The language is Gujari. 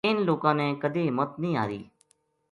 اِنھ لوکاں نے کَدی ہمت نیہہ ہاری